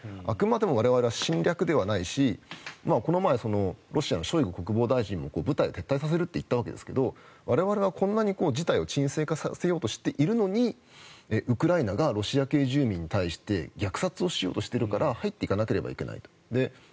あくまでも我々は侵略ではないしこの前ロシアのショイグ国防大臣も部隊を撤退させるって言ったわけですけど我々はこんなに事態を沈静化させようとしているのにウクライナがロシア系住民に対して虐殺しようとしているから入っていかなければいけないと。